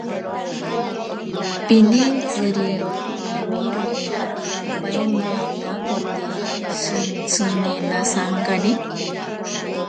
Pinintsiri awiroka ompaimatakote shintsine nasankane.